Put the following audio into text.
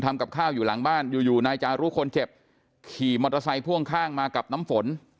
ทำกับข้าวอยู่หลังบ้านอยู่อยู่นายจารุคนเจ็บขี่มอเตอร์ไซค์พ่วงข้างมากับน้ำฝน